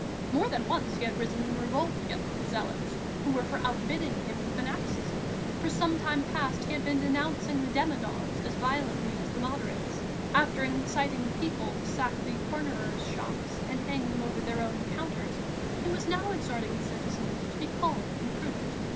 More than once he had risen in revolt against the zealots who were for outbidding him in fanaticism; for some time past he had been denouncing the demagogues as vehemently as the moderates. After inciting the people to sack the "cornerers'" shops and hang them over their own counters, he was now exhorting the citizens to be calm and prudent.